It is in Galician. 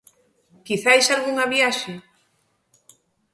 Quizais algunha viaxe?